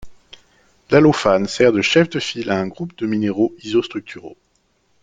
L’allophane sert de chef de file à un groupe de minéraux isostructuraux.